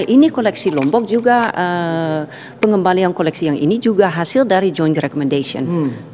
ini koleksi lombok juga pengembalian koleksi yang ini juga hasil dari john recommendation